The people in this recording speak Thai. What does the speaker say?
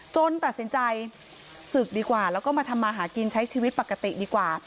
ตัดสินใจศึกดีกว่าแล้วก็มาทำมาหากินใช้ชีวิตปกติดีกว่า